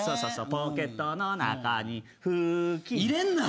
「ポケットのなかにふーき」入れんな！